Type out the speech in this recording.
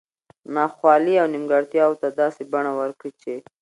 نا خوالي او نیمګړتیاوو ته داسي بڼه ورکړي چې